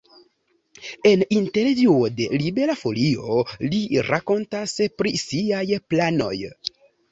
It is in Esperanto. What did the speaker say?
En intervjuo de Libera Folio li rakontas pri siaj planoj.